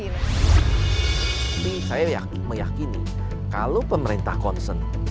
tapi saya meyakini kalau pemerintah concern